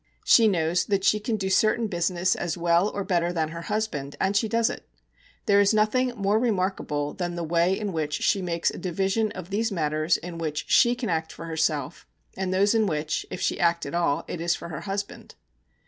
She knows that she can do certain business as well as or better than her husband, and she does it. There is nothing more remarkable than the way in which she makes a division of these matters in which she can act for herself, and those in which, if she act at all, it is for her husband.